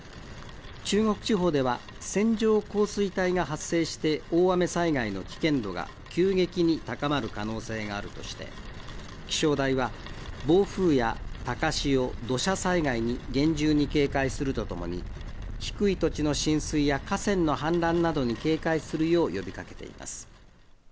中国地方では、線状降水帯が発生して大雨災害の危険度が急激に高まる可能性があるとして、気象台は暴風や高潮、土砂災害に厳重に警戒するとともに、低い土地の浸水や河川の氾濫などに警戒するよう呼びかけています。